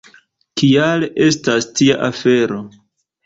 Kial estas tia afero?